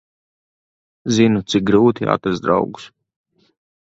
Zinu, cik grūti atrast draugus.